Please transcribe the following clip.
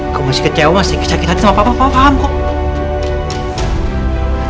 kamu masih kecewa sih kesakitan sama papa kau paham kok